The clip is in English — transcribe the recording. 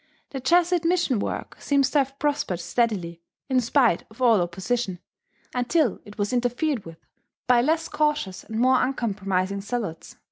The Jesuit mission work seems to have prospered steadily, in spite of all opposition, until it was interfered with by less cautious and more uncompromising zealots.